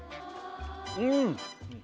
うん！